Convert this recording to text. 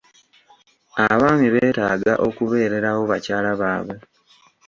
Abaami beetaaga okubeererawo bakyala baabwe.